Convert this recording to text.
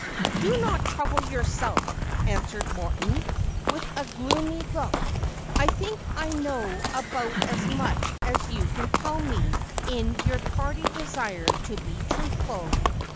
' Do not trouble yourself,' answered Morton, with a gloomy look. ' I think I know about as much as you can tell me, in your tardy desire to be truthful.